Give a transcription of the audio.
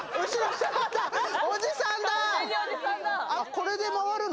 これで回るの？